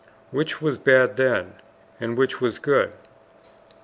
Which was bad then, and which was good?